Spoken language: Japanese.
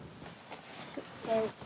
先輩。